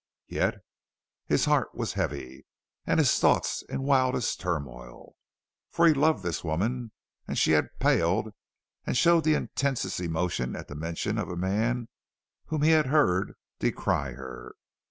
Yet his heart was heavy and his thoughts in wildest turmoil; for he loved this woman and she had paled and showed the intensest emotion at the mention of a man whom he had heard decry her.